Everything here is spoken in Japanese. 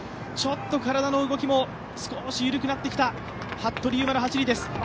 ちょっと体の動きも緩くなってきた服部勇馬の走りです。